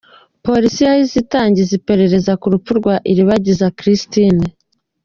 Polisi yahise itangira iperereza k’urupfu rwa Iribagiza Christine